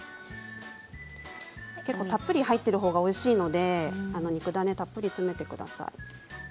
結構たっぷり入っているほうがおいしいので肉ダネたっぷり詰めてください。